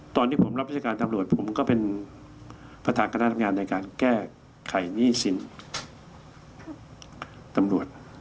ตอนที่ผมรับราชการตำรวจผมก็เป็นประธานคณะทำงานในการแก้ไขหนี้สินตำรวจ